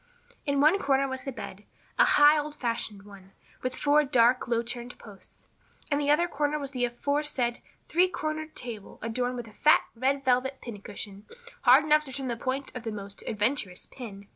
In one corner was the bed, a high, old fashioned one, with four dark, low turned posts. In the other corner was the aforesaid three corner table adorned with a fat, red velvet pin cushion hard enough to turn the point of the most adventurous pin.